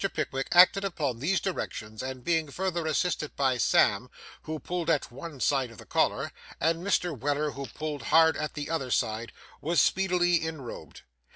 Pickwick acted upon these directions, and being further assisted by Sam, who pulled at one side of the collar, and Mr. Weller, who pulled hard at the other, was speedily enrobed.